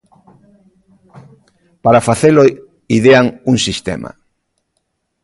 Para facelo idean un sistema.